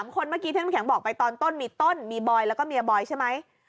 คนเมื่อกี้ที่น้ำแข็งบอกไปตอนต้นมีต้นมีบอยแล้วก็เมียบอยใช่ไหม